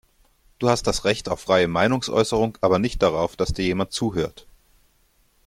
Du hast das Recht auf freie Meinungsäußerung, aber nicht darauf, dass dir jemand zuhört.